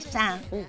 うん。